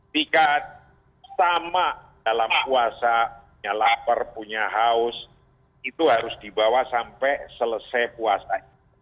jika sama dalam puasa punya lapar punya haus itu harus dibawa sampai selesai puasa